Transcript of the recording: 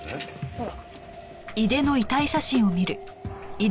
ほら。